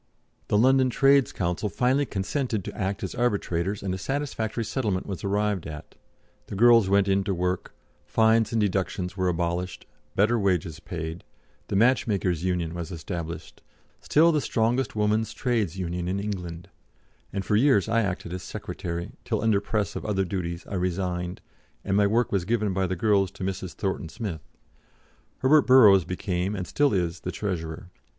The London Trades Council finally consented to act as arbitrators and a satisfactory settlement was arrived at; the girls went in to work, fines and deductions were abolished, better wages paid; the Match makers' Union was established, still the strongest woman's Trades Union in England, and for years I acted as secretary, till, under press of other duties, I resigned, and my work was given by the girls to Mrs. Thornton Smith; Herbert Burrows became, and still is, the treasurer.